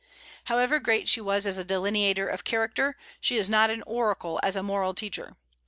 However great she was as a delineator of character, she is not an oracle as a moral teacher.